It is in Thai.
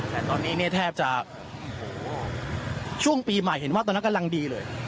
แต่ตอนนี้เนี่ยแทบจะช่วงปีใหม่เห็นว่าตอนนั้นกำลังดีเลย